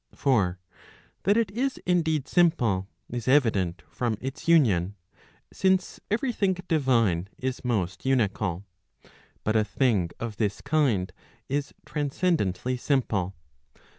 For that it is indeed simple, is evident from its union; since every thing divine is most unical. But a thing of this kind is transcendently simple.